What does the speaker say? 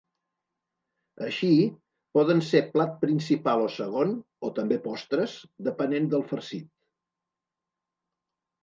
Així, poden ser plat principal o segon, o també postres, depenent del farcit.